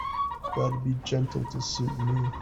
Gotta be gentle to suit me.